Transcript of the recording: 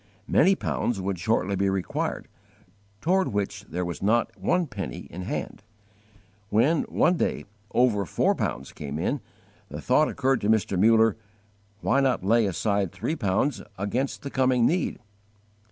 Many pounds would shortly be required, toward which there was not one penny in hand. When, one day, over four pounds came in, the thought occurred to Mr. Muller, "Why not lay aside three pounds against the coming need?"